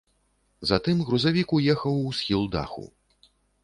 Затым грузавік уехаў у схіл даху.